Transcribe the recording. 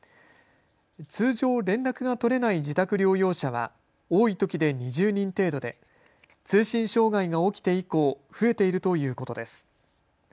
通常、連絡が取れない自宅療養者は多いときで２０人程度で通信障害が起きて以降、増えているということです。